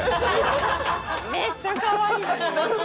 めっちゃかわいいのに。